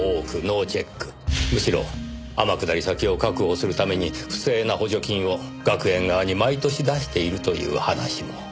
むしろ天下り先を確保するために不正な補助金を学園側に毎年出しているという話も。